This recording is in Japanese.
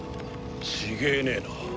違えねえな。